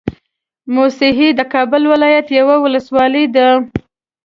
موسهي د کابل ولايت يوه ولسوالۍ ده